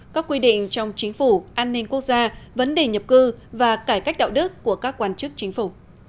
các quy định trong chính phủ an ninh quốc gia vấn đề nhập cư và cải cách đạo đức của các quan chức chính phủ